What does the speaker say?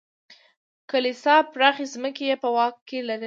کلیسا پراخې ځمکې یې په واک کې لرلې.